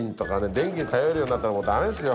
電気に頼るようになったらもう駄目ですよ。